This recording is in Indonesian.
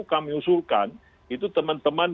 kami usulkan itu teman teman